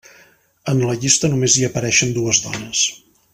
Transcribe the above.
En la llista, només hi apareixen dues dones.